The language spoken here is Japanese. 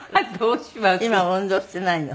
今も運動していないの？